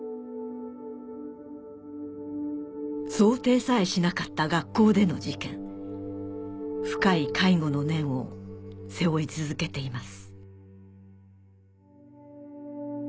想定さえしなかった学校での事件深い悔悟の念を背負い続けています